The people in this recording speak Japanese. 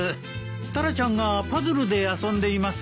タラちゃんがパズルで遊んでいます。